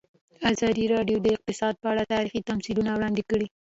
ازادي راډیو د اقتصاد په اړه تاریخي تمثیلونه وړاندې کړي.